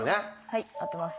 はい合ってます。